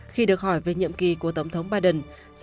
khi được hỏi về nhiệm kỳ của tổng thống biden